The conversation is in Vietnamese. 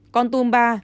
con tùm ba